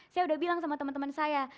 saya udah bilang sama temen temen saya